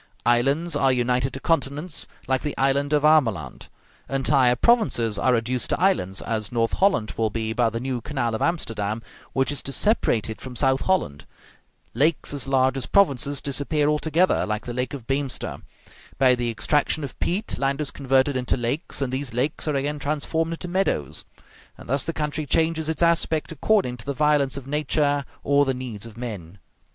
Islands are united to continents, like the island of Ameland; entire provinces are reduced to islands, as North Holland will be by the new canal of Amsterdam, which is to separate it from South Holland; lakes as large as provinces disappear altogether, like the lake of Beemster; by the extraction of peat, land is converted into lakes, and these lakes are again transformed into meadows. And thus the country changes its aspect according to the violence of nature or the needs of men.